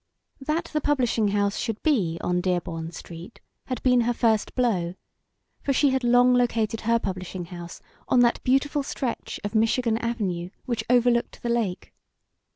That the publishing house should be on Dearborn Street had been her first blow, for she had long located her publishing house on that beautiful stretch of Michigan Avenue which overlooked the lake.